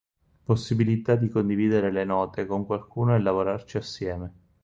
Possibilità di condividere le note con qualcuno e lavorarci assieme.